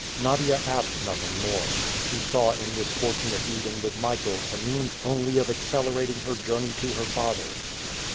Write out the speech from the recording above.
Nadia asked nothing more. She saw in this fortunate meeting with Michael a means only of accelerating her journey to her father.